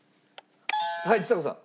はいちさ子さん。